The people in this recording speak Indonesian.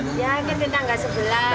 ya kita tidak sebelah